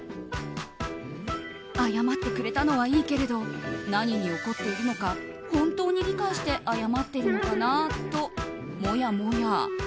謝ってくれたのはいいけれど何に怒っているのか本当に理解して謝ってるのかなともやもや。